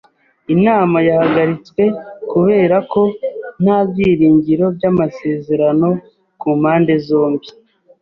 Inama yahagaritswe kubera ko nta byiringiro by’amasezerano ku mpande zombi.